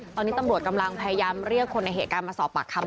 ตอนนี้ตำรวจกำลังพยายามเรียกคนในเหตุการณ์มาสอบปากคำ